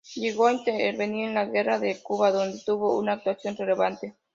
Llegó a intervenir en la Guerra de Cuba, donde tuvo una actuación relevante.